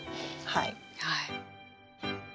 はい。